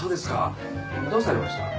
どうされました？